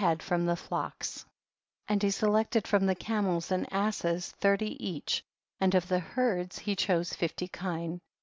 head from the flocks, and he selected from the camels and asses thirty each, and of the herds he chose fifty kine.